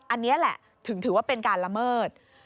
อันนี้แหละถึงถือว่าเป็นการละเมิด